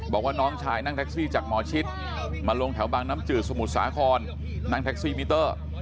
บอกว่าน้องชายนั่งแท็กซี่จากหมอชิดมาลงแถวบางน้ำจืดสมุทรสาครนั่งแท็กซี่มิเตอร์